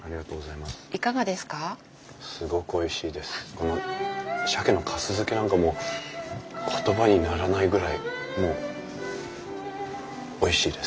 この鮭のかす漬けなんかもう言葉にならないぐらいもうおいしいです。